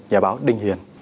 nhà báo đinh hiền